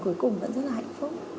cuối cùng vẫn rất là hạnh phúc